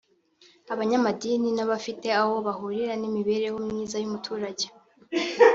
abanyamadini n’abafite aho bahurira n’imibereho myiza y’umuturage